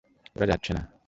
ওরা যাচ্ছে না।